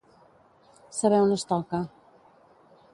Saber on es toca.